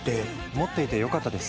持っていて良かったです。